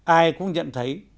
ai cũng nhận thấy